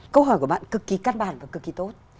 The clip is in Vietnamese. câu hỏi của bạn cực kỳ căn bản và cực kỳ tốt